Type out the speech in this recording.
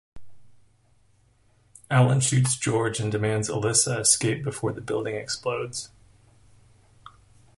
Allen shoots George and demands Alyssa escape before the building explodes.